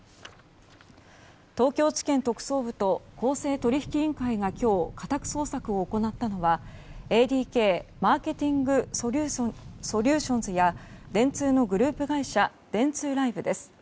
東京地検特捜部と公正取引委員会が今日、家宅捜索を行ったのはＡＤＫマーケティング・ソリューションズや電通のグループ会社電通ライブです。